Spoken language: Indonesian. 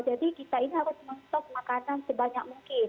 jadi kita ini harus mengekalkan makanan sebanyak mungkin